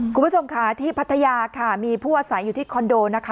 คุณผู้ชมค่ะที่พัทยาค่ะมีผู้อาศัยอยู่ที่คอนโดนะคะ